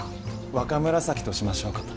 若紫としましょうかと。